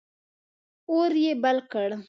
اور یې بل کړ.